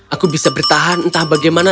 aku bisa bertahan entah bagaimana